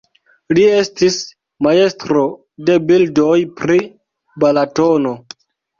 Li estis majstro de bildoj pri Balatono.